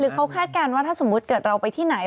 เขาคาดการณ์ว่าถ้าสมมุติเกิดเราไปที่ไหน